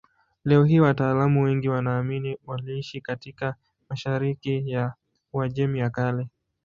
Leo hii wataalamu wengi wanaamini aliishi katika mashariki ya Uajemi ya Kale.